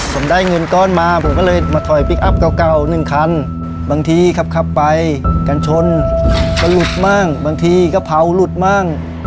ผมได้เงินก้อนมาผมก็เลยมาถอยปลิกอัพเก่าเพลิมขึ้นเยอะบางทีขับไปกันชนก็ลุดมากบางทีก็เผาลุดมาก